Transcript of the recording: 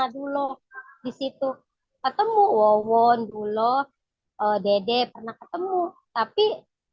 dulu disitu ketemu wawon dulu dede pernah ketemu tapi